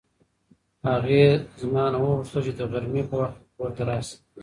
هغې له ما نه وغوښتل چې د غرمې په وخت کې کور ته راشه.